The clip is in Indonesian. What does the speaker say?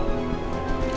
terima kasih pak